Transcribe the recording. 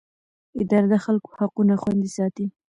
اداره د خلکو حقونه خوندي ساتي.